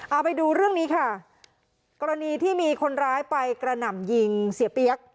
เอาไปดูเรื่องนี้ค่ะกรณีที่มีคนร้ายไปกระหน่ำยิงเสียเปี๊ยก